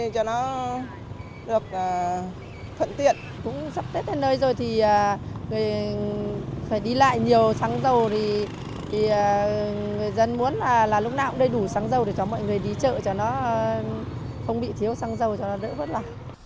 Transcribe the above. chính là lúc nào cũng đầy đủ xăng dầu để cho mọi người đi chợ không bị thiếu xăng dầu cho nó đỡ vất vả